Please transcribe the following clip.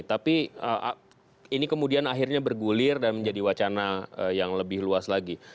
tapi ini kemudian akhirnya bergulir dan menjadi wacana yang lebih luas lagi